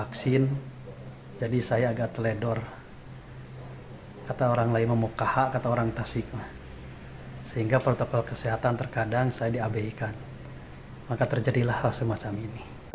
ruzanul ulum diketahui sudah dua kali menerima vaksin covid sembilan belas sinovac pada empat belas dan dua puluh delapan bulan